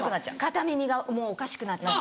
片耳がもうおかしくなっちゃう。